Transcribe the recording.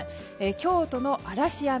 京都の嵐山